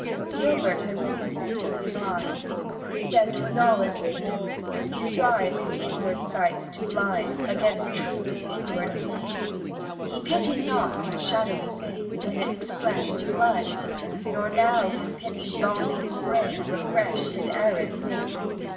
Gilbert has reasoned with his mind He says 'twas all a dream; He strives his inward sight to blind Against truth's inward beam. He pitied not that shadowy thing, When it was flesh and blood; Nor now can pity's balmy spring Refresh his arid mood.